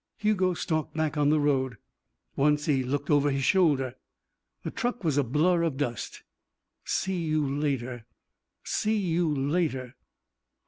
Hugo stalked back on the road. Once he looked over his shoulder. The truck was a blur of dust. "See you later. See you later.